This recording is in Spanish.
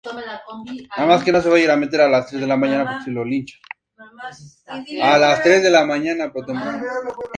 Se encuentra en la China, Bután, India, Nepal y Pakistán.